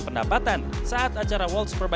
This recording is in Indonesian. tahap tahap akibat belakanganannya hanya